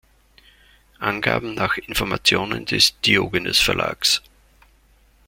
Angaben nach Informationen des Diogenes-Verlags.